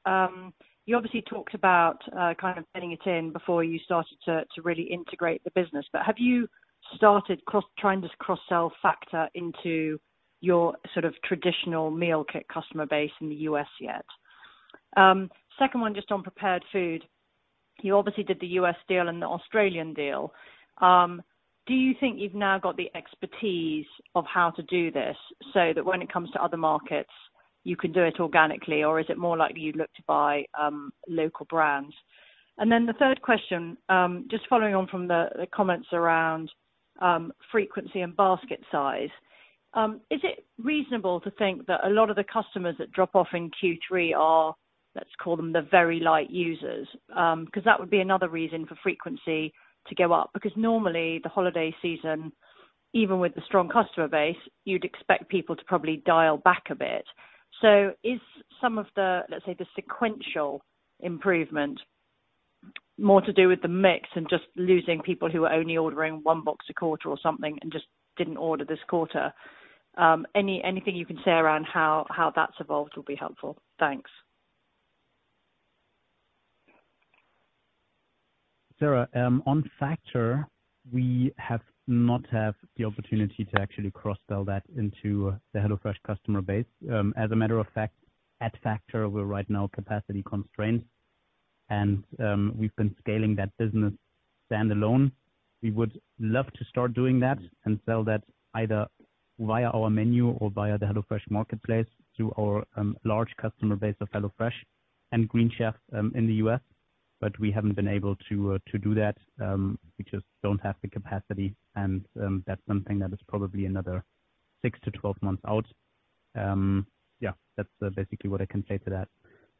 You obviously talked about kind of getting it in before you started to really integrate the business. Have you started trying to cross-sell Factor into your sort of traditional meal kit customer base in the U.S. yet? Second one, just on prepared food. You obviously did the U.S. deal and the Australian deal. Do you think you've now got the expertise of how to do this so that when it comes to other markets, you can do it organically, or is it more likely you'd look to buy local brands? Then the third question, just following on from the comments around frequency and basket size, is it reasonable to think that a lot of the customers that drop off in Q3 are, let's call them the very light users? 'Cause that would be another reason for frequency to go up. Because normally the holiday season, even with the strong customer base, you'd expect people to probably dial back a bit. Is some of the, let's say, the sequential improvement more to do with the mix and just losing people who are only ordering one box a quarter or something and just didn't order this quarter? Anything you can say around how that's evolved will be helpful. Thanks. Sarah, on Factor, we have not had the opportunity to actually cross-sell that into the HelloFresh customer base. As a matter of fact, at Factor, we're right now capacity constrained and we've been scaling that business stand alone. We would love to start doing that and sell that either via our menu or via the HelloFresh Marketplace through our large customer base of HelloFresh and Green Chef in the U.S. But we haven't been able to do that, we just don't have the capacity and that's something that is probably another 6 to 12 months out. Yeah, that's basically what I can say to that.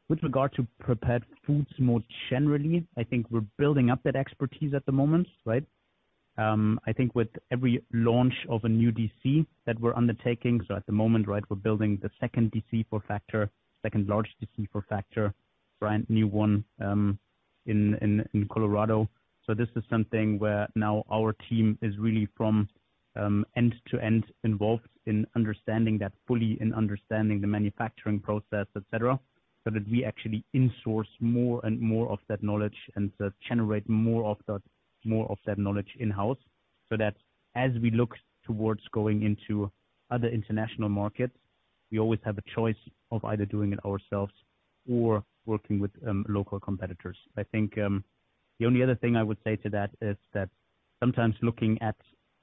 With regard to prepared foods more generally, I think we're building up that expertise at the moment, right? I think with every launch of a new DC that we're undertaking, so at the moment, right, we're building the second DC for Factor, second large DC for Factor, brand new one, in Colorado. So this is something where now our team is really from end to end involved in understanding that fully and understanding the manufacturing process, et cetera. So that we actually insource more and more of that knowledge and just generate more of that knowledge in-house, so that as we look towards going into other international markets, we always have a choice of either doing it ourselves or working with local competitors. I think the only other thing I would say to that is that sometimes looking at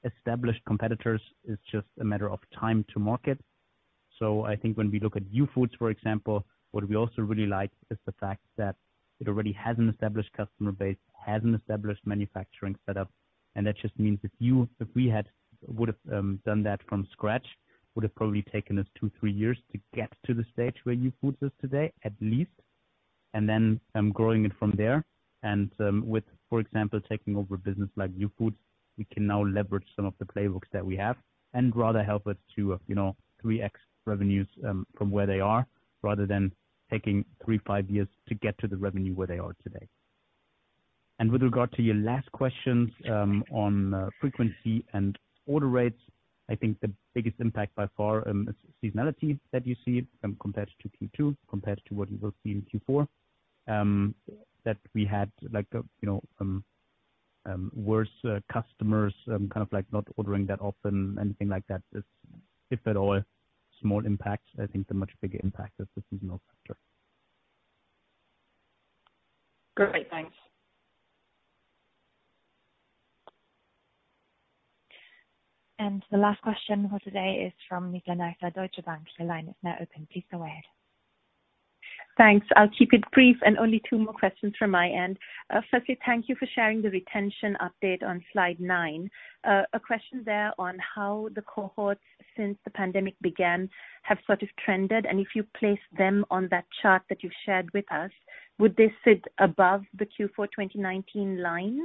established competitors is just a matter of time to market. I think when we look at Youfoodz, for example, what we also really like is the fact that it already has an established customer base, has an established manufacturing setup. That just means if we had done that from scratch, would have probably taken us two to three years to get to the stage where Youfoodz is today, at least. Growing it from there. For example, taking over business like Youfoodz, we can now leverage some of the playbooks that we have and rather help us to, you know, 3x revenues from where they are, rather than taking three to five years to get to the revenue where they are today. With regard to your last questions on frequency and order rates, I think the biggest impact by far is seasonality that you see compared to Q2 compared to what you will see in Q4. That we had like you know worse customers kind of like not ordering that often, anything like that if at all. Small impacts, I think the much bigger impact is the seasonal factor. Great. Thanks. The last question for today is from Nizla Naizer, Deutsche Bank. Your line is now open. Please go ahead. Thanks. I'll keep it brief and only two more questions from my end. Firstly, thank you for sharing the retention update on Slide 9. A question there on how the cohorts since the pandemic began have sort of trended, and if you place them on that chart that you've shared with us, would they sit above the Q4 2019 line?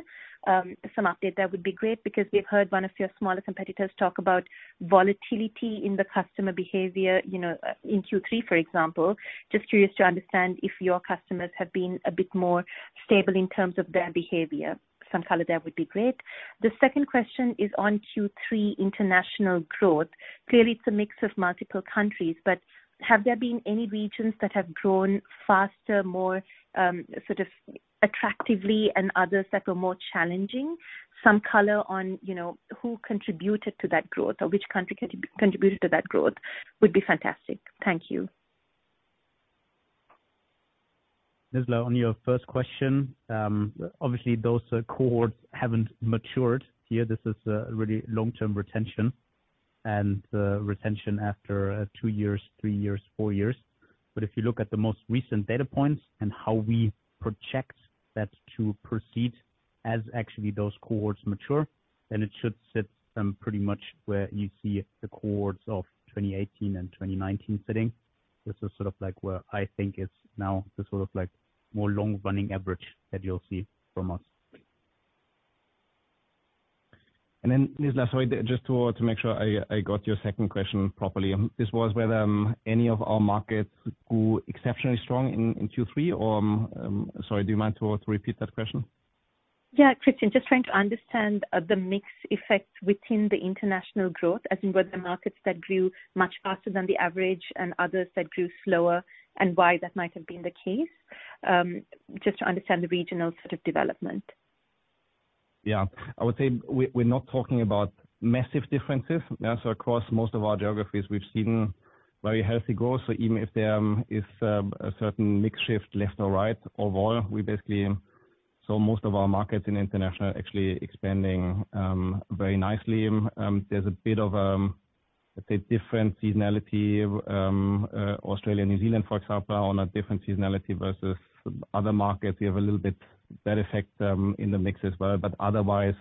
Some update that would be great because we've heard one of your smaller competitors talk about volatility in the customer behavior, you know, in Q3, for example. Just curious to understand if your customers have been a bit more stable in terms of their behavior. Some color there would be great. The second question is on Q3 international growth. Clearly, it's a mix of multiple countries, but have there been any regions that have grown faster, more, sort of attractively and others that were more challenging? Some color on, you know, who contributed to that growth or which country contributed to that growth would be fantastic. Thank you. Nicola, on your first question, obviously those cohorts haven't matured here. This is really long-term retention and retention after two years, three years, four years. If you look at the most recent data points and how we project that to proceed as actually those cohorts mature, then it should sit pretty much where you see the cohorts of 2018 and 2019 sitting. This is sort of like where I think it's now the sort of like more long running average that you'll see from us. Nizla, sorry, just to make sure I got your second question properly. This was whether any of our markets grew exceptionally strong in Q3 or. Sorry, do you mind to repeat that question? Yeah, Christian, just trying to understand, the mix effect within the international growth, as in were there markets that grew much faster than the average and others that grew slower and why that might have been the case. Just to understand the regional sort of development. Yeah. I would say we're not talking about massive differences. Across most of our geographies, we've seen very healthy growth. Even if there is a certain mix shift left or right, overall, we basically saw most of our markets in international actually expanding very nicely. There's a bit of, I'd say different seasonality, Australia and New Zealand, for example, on a different seasonality versus other markets. We have a little bit that effect in the mix as well. Otherwise,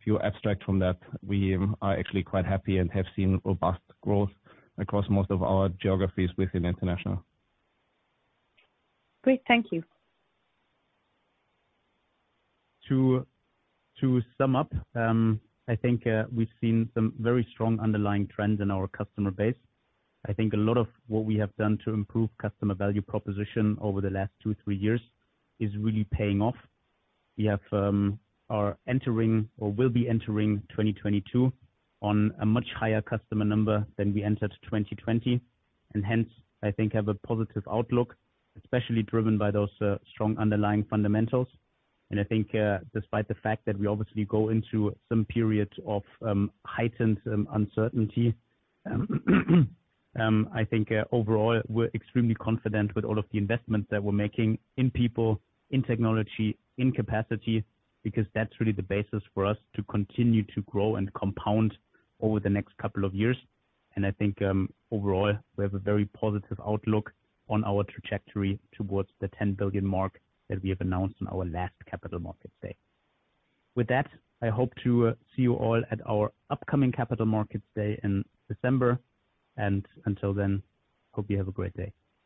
if you abstract from that, we are actually quite happy and have seen robust growth across most of our geographies within international. Great. Thank you. To sum up, I think we've seen some very strong underlying trends in our customer base. I think a lot of what we have done to improve customer value proposition over the last two, three years is really paying off. We are entering or will be entering 2022 on a much higher customer number than we entered 2020, and hence, I think have a positive outlook, especially driven by those strong underlying fundamentals. I think, despite the fact that we obviously go into some periods of heightened uncertainty, I think overall, we're extremely confident with all of the investments that we're making in people, in technology, in capacity, because that's really the basis for us to continue to grow and compound over the next couple of years. I think, overall, we have a very positive outlook on our trajectory towards the 10 billion mark that we have announced on our last capital markets day. With that, I hope to see you all at our upcoming capital markets day in December. Until then, I hope you have a great day.